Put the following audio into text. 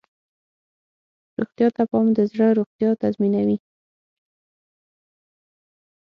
روغتیا ته پام د زړه روغتیا تضمینوي.